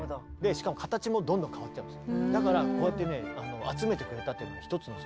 しかも形もどんどん変わっちゃうんです。